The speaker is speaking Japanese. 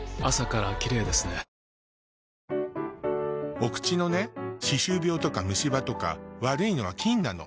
お口のね歯周病とか虫歯とか悪いのは菌なの。